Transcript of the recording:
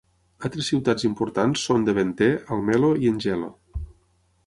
Altres ciutats importants són Deventer, Almelo i Hengelo.